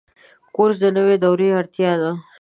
کورس د نوي دورې اړتیا ده.